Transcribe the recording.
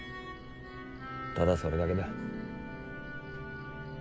ただそれだけだ。